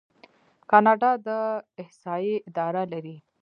کاناډا د احصایې اداره لري.